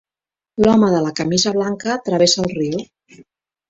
L'home de la camisa blanca travessa el riu.